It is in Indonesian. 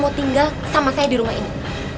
mau tinggal sama saya di rumah ini